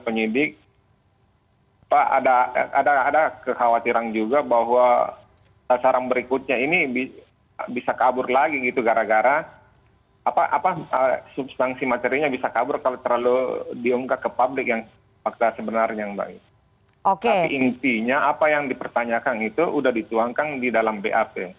tapi intinya apa yang dipertanyakan itu sudah dituangkan di dalam bap